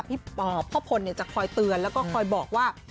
พ่อพลจะคอยเตือนแล้วก็คอยบอกว่า